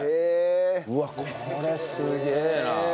うわっこれすげえな。